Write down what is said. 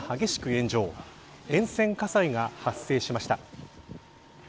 炎上沿線火災が発生しました。